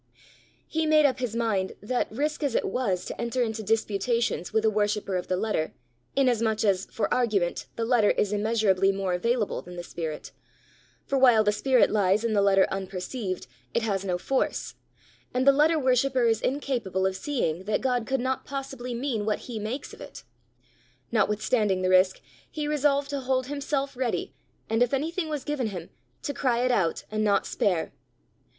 He made up his mind that, risk as it was to enter into disputations with a worshipper of the letter, inasmuch as for argument the letter is immeasurably more available than the spirit for while the spirit lies in the letter unperceived, it has no force, and the letter worshipper is incapable of seeing that God could not possibly mean what he makes of it notwithstanding the risk, he resolved to hold himself ready, and if anything was given him, to cry it out and not spare.